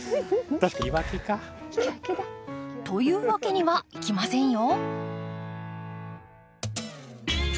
というわけにはいきませんよ。